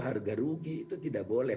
harga rugi itu tidak boleh